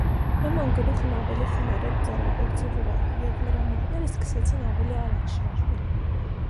Էմման գլուխն ավելի խոնարհեց ձեռագործի վրա, և նրա մատներն սկսեցին ավելի արագ շարժվել: